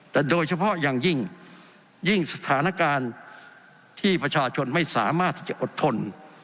แต่โดยเฉพาะอย่างยิ่งสถานการณ์ที่ประชาชนไม่สามารถที่จะอดทน